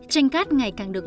tranh cát ngày càng được